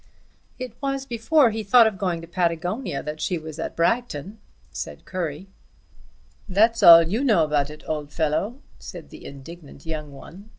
"It was before he thought of going to Patagonia that she was at Bragton," said Currie. "That's all you know about it, old fellow," said the indignant young one.